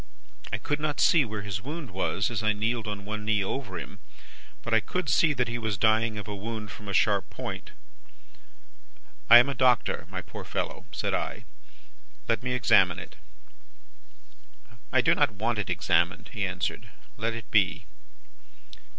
I could not see where his wound was, as I kneeled on one knee over him; but, I could see that he was dying of a wound from a sharp point. "'I am a doctor, my poor fellow,' said I. 'Let me examine it.' "'I do not want it examined,' he answered; 'let it be.